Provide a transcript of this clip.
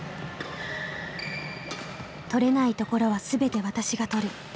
「とれないところは全て私がとる」。